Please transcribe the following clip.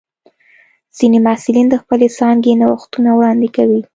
ځینې محصلین د خپلې څانګې نوښتونه وړاندې کوي.